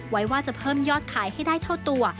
ไว้ว่าจะเพิ่มยอดขายให้ได้เท่าตัว